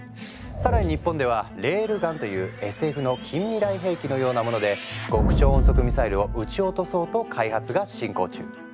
更に日本では「レールガン」っていうＳＦの近未来兵器のようなもので極超音速ミサイルを撃ち落とそうと開発が進行中。